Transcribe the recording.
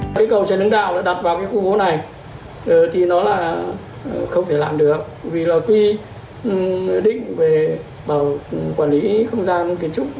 cây cầu trần hưng đạo đã đặt vào khu vô này thì nó là không thể làm được vì nó tuy định về quản lý không gian kiến trúc